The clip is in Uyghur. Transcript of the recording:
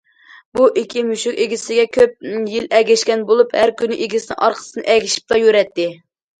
بۇ ئىككى مۈشۈك ئىگىسىگە كۆپ يىل ئەگەشكەن بولۇپ، ھەر كۈنى ئىگىسىنىڭ ئارقىسىدىن ئەگىشىپلا يۈرەتتى.